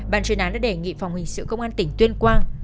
bàn truyền án đã đề nghị phòng hình sự công an tỉnh tuyên quang